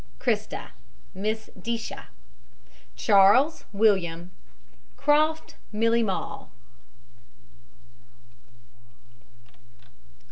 CHRISTA, MISS DIJCIA. CHARLES, WILLIAM. CROFT, MILLIE MALL.